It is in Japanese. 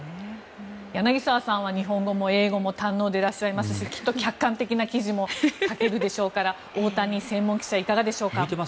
柳澤さんは日本語も英語も堪能でいらっしゃいますしきっと客観的な記事も書けるでしょうから大谷専門記者いかがでしょうか。